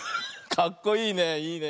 かっこいいね。